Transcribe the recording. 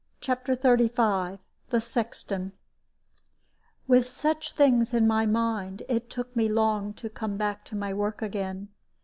CHAPTER XXXV THE SEXTON With such things in my mind, it took me long to come back to my work again.